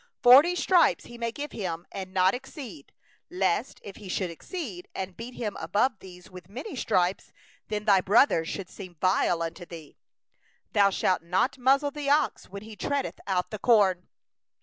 3Forty stripes he may give him, he shall not exceed; lest, if he should exceed, and beat him above these with many stripes, then thy brother should be dishonoured before thine eyes. 4Thou shalt not muzzle the ox when he treadeth out the corn.